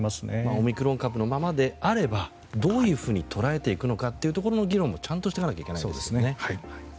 オミクロン株のままであればどういうふうに捉えていくのかというところの議論もちゃんとしていかないといけないわけですね。